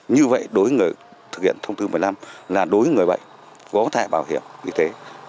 như vậy đối với người thực hiện thông tư một mươi năm là đối với người bệnh có thẻ bảo hiểm y tế